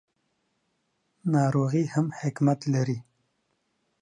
ناروغي هم حکمت لري.